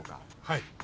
はい。